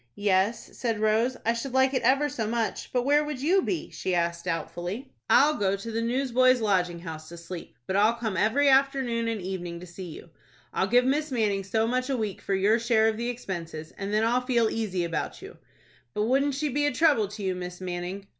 "Yes," said Rose, "I should like it ever so much; but where would you be?" she asked, doubtfully. "I'll go to the Newsboys' Lodging House to sleep, but I'll come every afternoon and evening to see you. I'll give Miss Manning so much a week for your share of the expenses, and then I'll feel easy about you. But wouldn't she be a trouble to you, Miss Manning?"